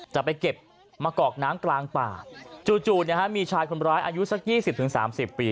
จะไปเก็บมะกอกน้ำกลางป่าจู่มีชายคนร้ายอายุสัก๒๐๓๐ปี